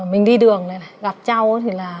mình đi đường này gặp trau thì là